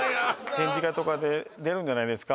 展示会とかで出るじゃないですか